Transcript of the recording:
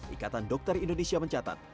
ikatan dokter indonesia mencatat